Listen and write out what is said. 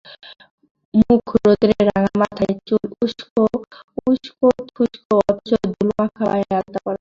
মুখ রৌদ্রে রাঙা, মাথার চুল উসকোথুসকো, অথচ ধুলোমাখা পায়ে আলতা পরা।